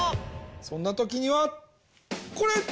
そんなときにはこれ！